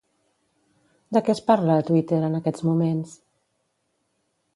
De què es parla a Twitter en aquests moments?